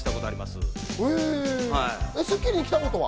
『スッキリ』に来たことは？